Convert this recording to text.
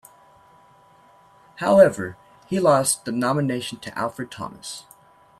However, he lost the nomination to Alfred Thomas.